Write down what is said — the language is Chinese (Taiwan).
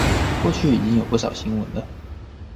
過去已經有不少新聞了